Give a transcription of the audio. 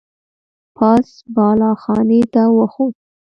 پاس بالا خانې ته وخوته.